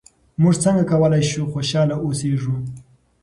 موږ څنګه کولای شو خوشحاله اوسېږو؟